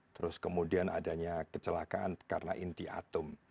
terus kemudian adanya kecelakaan karena inti atum